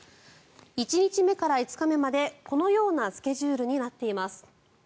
１日目から５日目までこのようなスケジュールになっています。